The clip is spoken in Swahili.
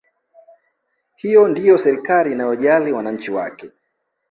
Hiyo ndiyo serikali inayojali wananchi wake